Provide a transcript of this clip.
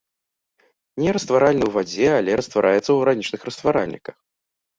Нерастваральны ў вадзе, але раствараецца ў арганічных растваральніках.